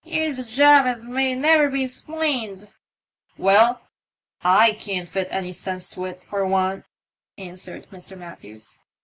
" Here's a job as may never be 'splained/' Well, I can't fit any sense to it, for one," answered Mr. Matthews.